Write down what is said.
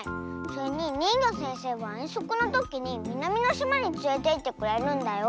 それににんぎょせんせいはえんそくのときにみなみのしまにつれていってくれるんだよ。